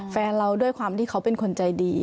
แฟนเราด้วยความที่เขาเป็นคนใจดี